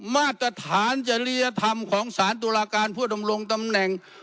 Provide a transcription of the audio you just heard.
มาตรฐานจริยธรรมของสารตุลาการผู้ดำรงตำแหน่ง